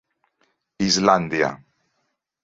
Islàndia.